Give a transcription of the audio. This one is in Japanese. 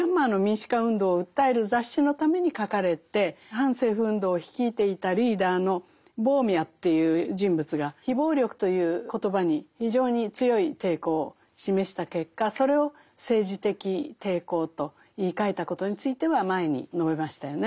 反政府運動を率いていたリーダーのボーミャという人物が「非暴力」という言葉に非常に強い抵抗を示した結果それを「政治的抵抗」と言いかえたことについては前に述べましたよね。